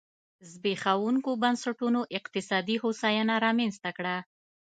زبېښونکو بنسټونو اقتصادي هوساینه رامنځته کړه.